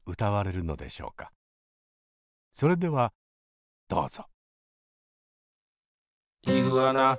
それではどうぞ。